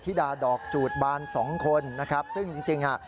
ธิดาดอกจูตบาม๒คนนะครับซึ่งจริงอ่ะ